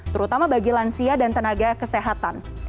terutama bagi lansia dan tenaga kesehatan